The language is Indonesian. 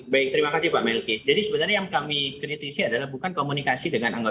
baik terima kasih pak melki jadi sebenarnya yang kami kritisi adalah bukan komunikasi dengan anggota